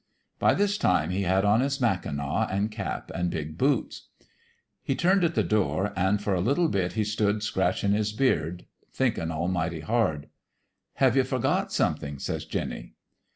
" By this time he had on his mackinaw an' cap an' big boots. " He turned at the door ; an' for a little bit he stood scratchin' his beard thinkin' almighty hard. "' Have you forgot something?' says Jinny.